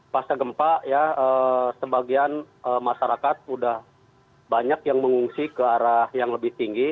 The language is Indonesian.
pasca gempa ya sebagian masyarakat sudah banyak yang mengungsi ke arah yang lebih tinggi